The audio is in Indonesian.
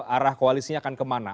arah koalisinya akan kemana